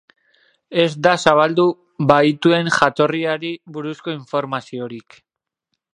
Ez da zabaldu bahituen jatorriari buruzko informaziorik.